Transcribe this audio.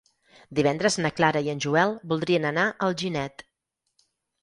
Divendres na Clara i en Joel voldrien anar a Alginet.